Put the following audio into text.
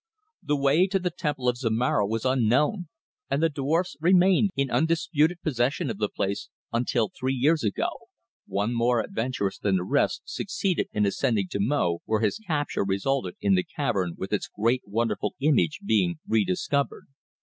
The way to the Temple of Zomara was unknown and the dwarfs remained in undisputed possession of the place until three years ago, one more adventurous than the rest, succeeded in ascending to Mo, when his capture resulted in the cavern with its great wonderful image being re discovered.